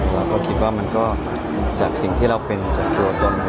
เราก็คิดว่ามันก็จากสิ่งที่เราเป็นจากตัวตน